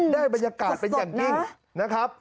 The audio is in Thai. ได้บรรยากาศเป็นอย่างจริง